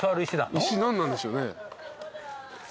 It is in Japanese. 石何なんでしょうね。